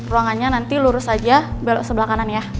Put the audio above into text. ruangannya nanti lurus aja belok sebelah kanan ya